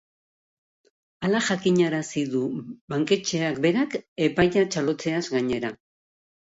Hala jakinarazi du banketxeak berak, epaia txalotzeaz gainera.